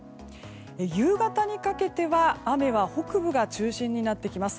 夕方にかけては雨は北部が中心になってきます。